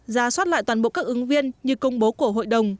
ra soát lại toàn bộ các ứng viên như công bố của hội đồng